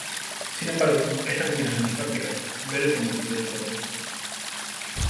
Sin embargo, esta combinación no es práctica; Ver el combustible del cohete.